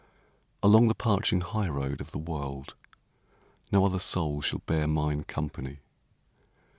Along the parching highroad of the world No other soul shall bear mine company.